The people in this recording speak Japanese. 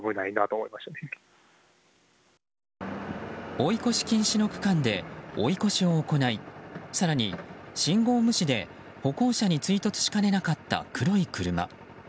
追い越し禁止の期間で追い越しを行い更に信号無視で歩行者に追突しかねなかった黒い車。